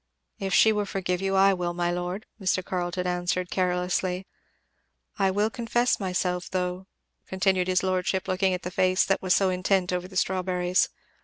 "If she will forgive you, I will, my lord," Mr. Carleton answered carelessly. "I will confess myself though," continued his lordship looking at the face that was so intent over the strawberries.